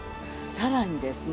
さらにですね